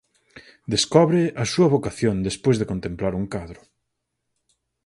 Descobre a súa vocación despois de contemplar un cadro.